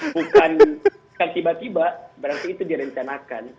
bukan tiba tiba berarti itu direncanakan